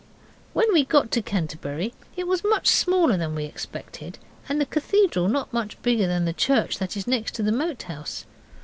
When we got to Canterbury it was much smaller than we expected, and the cathedral not much bigger than the Church that is next to the Moat House.